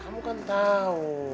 kamu kan tau